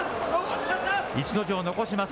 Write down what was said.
逸ノ城、残します。